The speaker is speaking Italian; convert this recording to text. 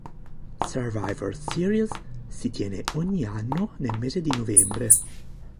Survivor Series si tiene ogni anno nel mese di novembre.